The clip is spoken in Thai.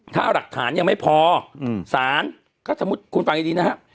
ถ้าหลักฐานยังไม่พอสารก็สมมุติคุณฟังดีนะครับ